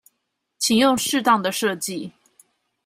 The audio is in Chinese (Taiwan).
請用適當的設計